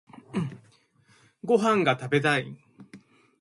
ご飯が食べたい